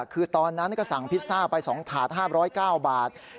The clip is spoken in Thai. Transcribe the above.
คือตอนนั้นก็สั่งพิซซ่าไป๒ถาด๕๐๙บาท